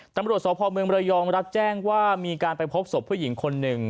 ตำรวจสพเมืองระยองรับแจ้งว่ามีการไปพบศพผู้หญิงคนหนึ่ง